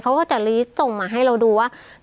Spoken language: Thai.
เขาก็จะลีสส่งมาให้เราดูว่า